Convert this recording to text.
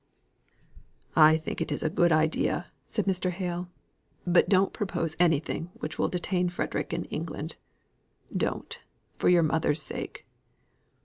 "I think it is a good idea," said Mr. Hale. "But don't propose anything which will detain Frederick in England. Don't, for your mother's sake."